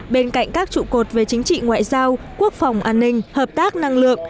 bên cạnh các trụ cột về chính trị ngoại giao quốc phòng an ninh hợp tác năng lượng